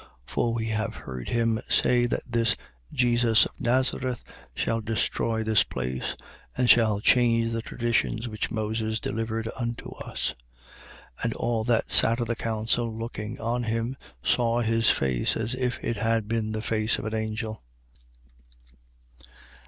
6:14. For we have heard him say that this Jesus of Nazareth shall destroy this place and shall change the traditions which Moses delivered unto us. 6:15. And all that sat in the council, looking on him, saw his face as if it had been the face of an angel.